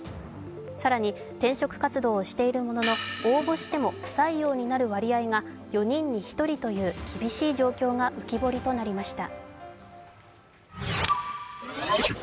更に、転職活動をしているものの、応募しても不採用になる割合が４人に１人という厳しい状況が浮き彫りとなりました。